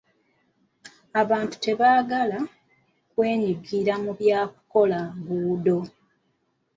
Abantu tebaagala kwenyigira mu bya kukola nguudo.